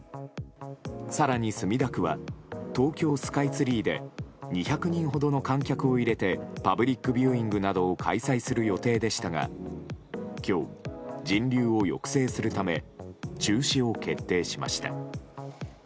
更に、墨田区は東京スカイツリーで２００人ほどの観客を入れてパブリックビューイングなどを開催する予定でしたが今日、人流を抑制するため中止を決定しました。